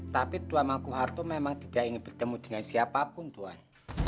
tapi tuan mangku harto memang tidak ingin bertemu dengan siapapun tuan